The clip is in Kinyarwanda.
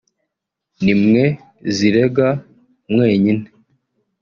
ni mwe zirega mwenyine